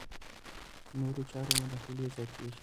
نورو چارو مداخلې زیاتېږي.